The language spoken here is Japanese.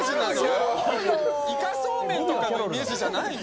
いかそうめんとかのイメージじゃないの？